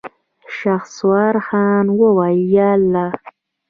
شهسوار خان وويل: ياالله.